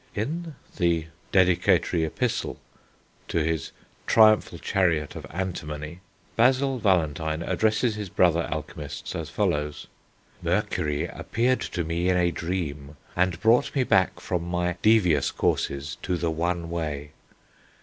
In the "Dedicatory Epistle" to his Triumphal Chariot of Antimony, Basil Valentine addresses his brother alchemists as follows: "Mercury appeared to me in a dream, and brought me back from my devious courses to the one way.